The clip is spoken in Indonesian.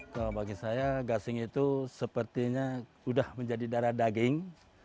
kalau bagi saya gasing itu sepertinya sudah menjadi darah daging